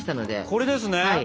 これですね？